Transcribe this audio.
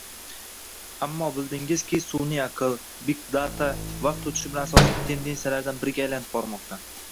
Ammo bildingizki, sunʼiy aql, Big data vaqt oʻtishi bilan asosiy tendensiyalardan biriga aylanib bormoqda.